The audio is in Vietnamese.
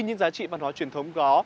những giá trị văn hóa truyền thống đó